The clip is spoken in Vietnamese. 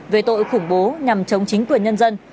về tội khủng bố nhằm chống chính quyền nhân dân